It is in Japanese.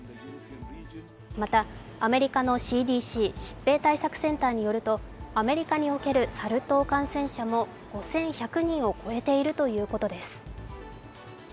またアメリカのＣＤＣ＝疾病対策センターによると、アメリカにおけるサル痘感染者も５１００人を超えているということです。